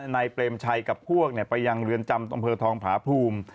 นายเปรมชัยกับพวกไปยังเรือนจำอำเภอทองผาภูมิ